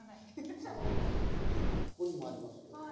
ここにもありますよ。